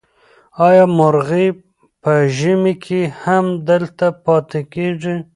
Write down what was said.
آیا مرغۍ په ژمي کې هم دلته پاتې کېږي؟